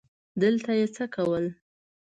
دلته یې څه کول ؟